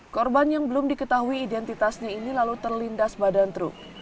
korban yang belum diketahui identitasnya ini lalu terlindas badan truk